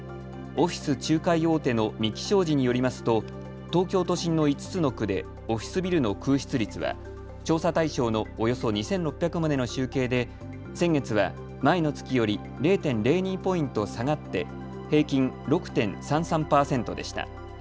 オフィス仲介大手の三鬼商事によりますと東京都心の５つの区でオフィスビルの空室率は調査対象のおよそ２６００棟の集計で先月は前の月より０．０２ポイント下がって平均６．３３％でした。